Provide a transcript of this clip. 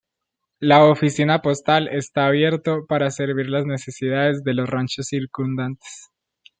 La oficina postal está abierto para servir las necesidades de los ranchos circundantes.